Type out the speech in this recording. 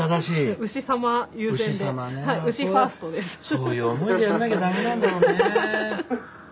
そういう思いでやんなきゃ駄目なんだろうね。